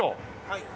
はい。